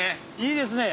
いいですね。